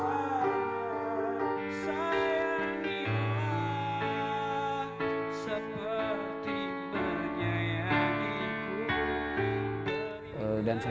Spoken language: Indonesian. sayangnya seperti bernyayang